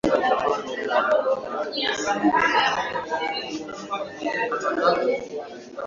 Alipokuwa msichana mkubwa wa kujiunga na chuo kikuu